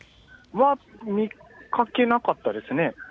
は、見かけなかったですね。